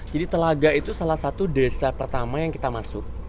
telaga itu salah satu desa pertama yang kita masuk